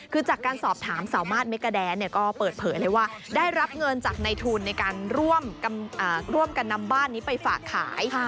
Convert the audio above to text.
คือจากการสอบถามสาวมาสเมกาแดนก็เปิดเผยเลยว่าได้รับเงินจากในทุนในการร่วมกันนำบ้านนี้ไปฝากขาย